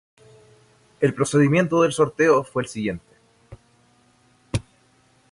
El procedimiento del sorteo fue el siguiente.